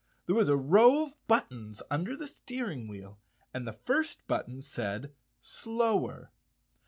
There was a row of buttons under the steering wheel and the first button said "Slower."